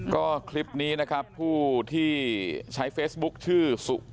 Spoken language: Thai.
ก็คลิปนี้นะครับผู้ที่ใช้เฟซบุ๊คชื่อสุ